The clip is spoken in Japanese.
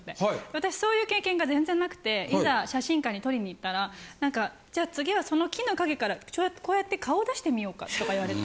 私そういう経験が全然なくていざ写真館に撮りに行ったら何か「じゃあ次はその木の陰からこうやって顔を出してみようか」とか言われて。